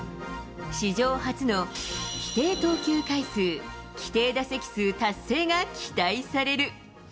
史上初の規定投球回数、規定打席数達成が期待される。